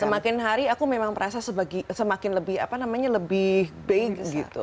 semakin hari aku memang merasa semakin lebih apa namanya lebih bag gitu